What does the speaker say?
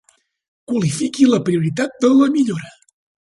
Qualifiqui la prioritat de la millora.